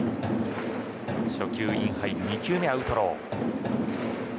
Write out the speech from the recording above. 初球、インハイで２球目、アウトロー。